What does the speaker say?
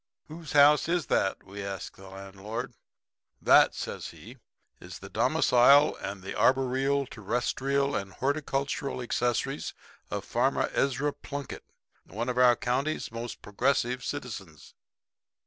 "'Whose house is that?' we asked the landlord. "'That,' says he, 'is the domicile and the arboreal, terrestrial and horticultural accessories of Farmer Ezra Plunkett, one of our county's most progressive citizens.'